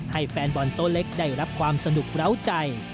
แฟนบอลโต๊ะเล็กได้รับความสนุกเล้าใจ